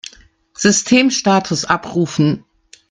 Systemstatus abrufen!